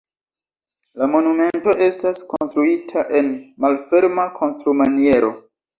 La monumento estas konstruita en malferma konstrumaniero.